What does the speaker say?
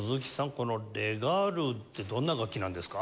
このレガールってどんな楽器なんですか？